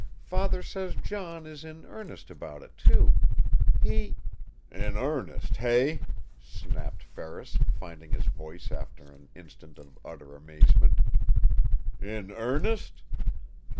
Father says John is in earnest about it too. He " "In earnest, hey!" snapped Ferris, finding his voice after an instant of utter amazement. "In EARNEST!